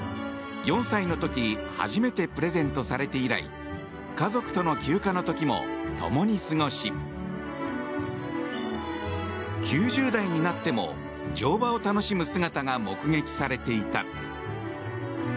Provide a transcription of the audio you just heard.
４歳の時、初めてプレゼントされて以来家族と休暇の時も共に過ごし、９０代になっても乗馬を楽しむ姿が目撃されていた。